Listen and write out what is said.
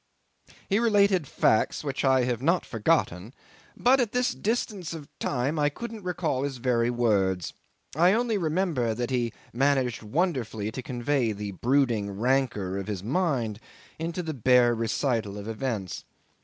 'He related facts which I have not forgotten, but at this distance of time I couldn't recall his very words: I only remember that he managed wonderfully to convey the brooding rancour of his mind into the bare recital of events.